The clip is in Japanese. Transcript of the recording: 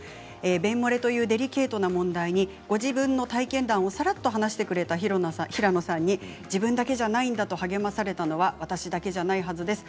便もれというデリケートな問題にご自分の体験談もさらっと話してくれた平野さんに自分だけではないと励まされたのは私だけではないはずです。